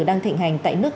đang thịnh hành tại nước ta